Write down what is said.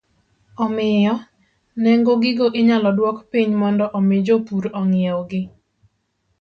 Omiyo, nengo gigo inyalo duok piny mondo omi jopur ong'iewgi